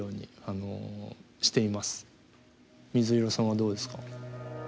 水色さんはどうですか？